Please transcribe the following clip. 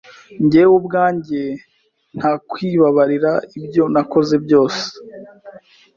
njyewe ubwanjye ntakwibabarira ibyo nakoze byose